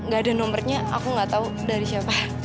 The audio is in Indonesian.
gak ada nomernya aku gak tau dari siapa